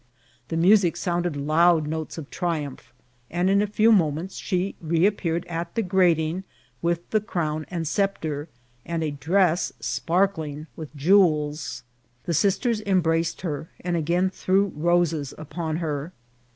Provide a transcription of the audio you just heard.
The music sounded loud notes of triumph, and in a few moments she reappeared at the grating with the crown and sceptre, and a dress sparkling with jewels. The sisters embraced her, and again threw roses upon her.